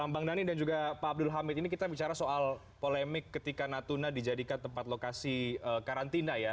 bang dhani dan juga pak abdul hamid ini kita bicara soal polemik ketika natuna dijadikan tempat lokasi karantina ya